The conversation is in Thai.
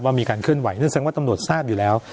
มีการเคลื่อนไหวนั่นแสดงว่าตำรวจทราบอยู่แล้ว